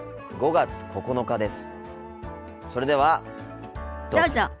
５月９日です。